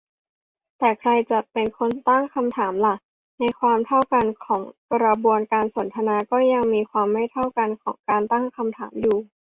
แต่ใครจะเป็นคนตั้งคำถามล่ะ ? ในความเท่ากันของกระบวนการสนทนา ก็ยังมีความไม่เท่ากันของการตั้งคำถามอยู่